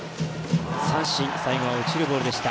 三振、最後は落ちるボールでした。